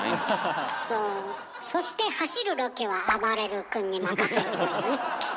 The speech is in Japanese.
そして走るロケはあばれる君に任せるというね。